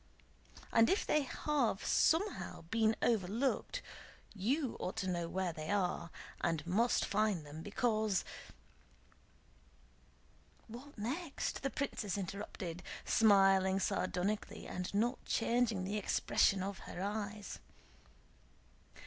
And if they have somehow been overlooked, you ought to know where they are, and must find them, because..." "What next?" the princess interrupted, smiling sardonically and not changing the expression of her eyes.